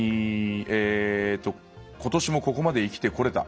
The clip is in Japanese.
今年もここまで生きてこれた。